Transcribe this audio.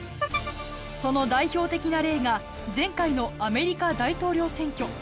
その代表的な例が前回のアメリカ大統領選挙。